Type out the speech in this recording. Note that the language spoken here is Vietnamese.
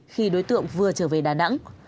khi đối tượng vừa trở về đà nẵng